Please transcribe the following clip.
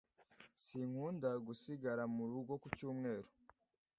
sinkunda gusigara murugo ku cyumweru